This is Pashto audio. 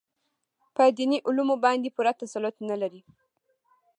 په دیني علومو باندې پوره تسلط نه لري.